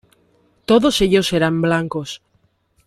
Todos ellos eran blancos.